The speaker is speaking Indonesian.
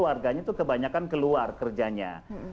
warganya itu kebanyakan keluar kerjanya